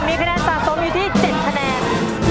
มีคะแนนสะสมอยู่ที่๗คะแนน